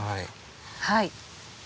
はい。